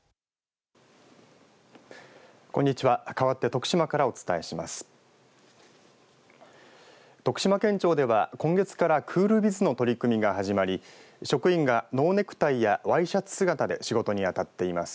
徳島県庁では今月からクールビズの取り組みが始まり職員がノーネクタイやワイシャツ姿で仕事にあたっています。